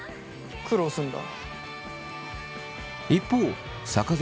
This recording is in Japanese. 苦労すんだ。